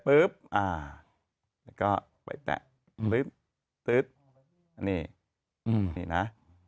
ปุ๊บแล้วก็ไปแตะ